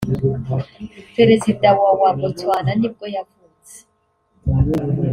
perezida wa wa Botswana nibwo yavutse